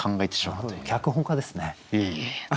脚本家ですね。